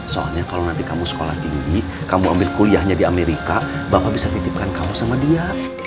soalnya kalau nanti kamu sekolah tinggi kamu ambil kuliahnya di amerika bapak bisa titipkan kamu sama dia